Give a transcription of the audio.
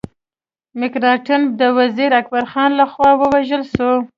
مکناټن د وزیر اکبر خان له خوا ووژل سو.